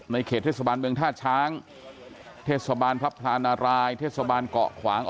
เขตเทศบาลเมืองท่าช้างเทศบาลพระพลานารายเทศบาลเกาะขวาง